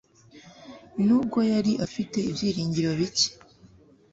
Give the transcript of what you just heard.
Nubwo yari afite ibyiringiro bike